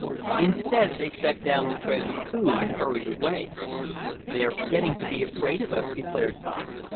Instead they set down the trays of food and hurried away. "They're getting to be afraid of us," declared Tom.